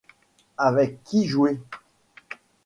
Avec qui jouer ?